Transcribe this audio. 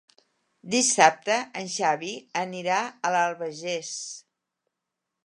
Dissabte en Xavi anirà a l'Albagés.